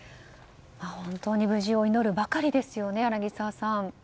本当に無事を祈るばかりですよね。